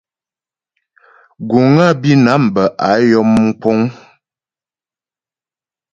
Guŋ á Bǐnam bə́ á yɔm mkúŋ.